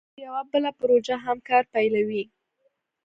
پر یوه بله پروژه هم کار پیلوي